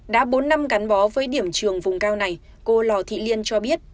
đã bốn năm gắn bó với điểm trường vùng cao này cô lò thị liên cho biết